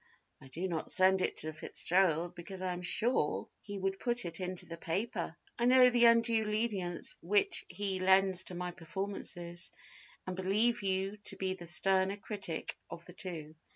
I do not send it to FitzGerald because I am sure he would put it into the paper. ... I know the undue lenience which he lends to my performances, and believe you to be the sterner critic of the two.